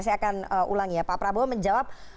saya akan ulangi ya pak prabowo menjawab